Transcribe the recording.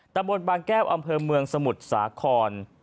ตะบนบางแก้วอำเภอเมืองสมุทรสาคร